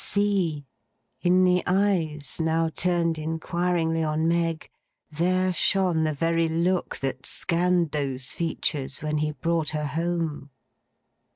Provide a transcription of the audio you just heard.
See! In the eyes, now turned inquiringly on Meg, there shone the very look that scanned those features when he brought her home!